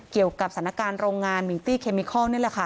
เกี่ยวกับสถานการณ์โรงงานมิงตี้เคมิเคล